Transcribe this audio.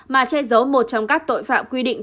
mà che giấu một trong các tội phạm quy định